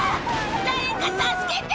誰か助けて！